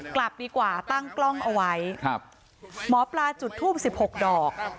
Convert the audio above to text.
กลับดีกว่าตั้งกล้องเอาไว้ครับหมอปลาจุดทูบ๑๖ดอก